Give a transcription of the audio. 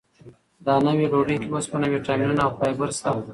دا نوې ډوډۍ کې اوسپنه، ویټامینونه او فایبر شته.